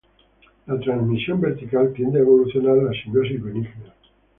La transmisión vertical tiende a evolucionar la simbiosis benigna.